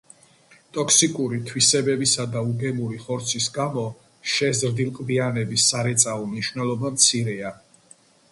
ტოქსიკური თვისებებისა და უგემური ხორცის გამო შეზრდილყბიანების სარეწაო მნიშვნელობა მცირეა.